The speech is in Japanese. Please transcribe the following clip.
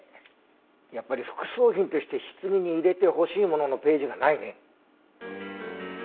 やっぱり「副葬品として棺に入れてほしいもの」のページがないね。